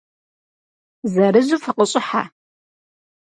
Зырызу фыкъыщӏыхьэ.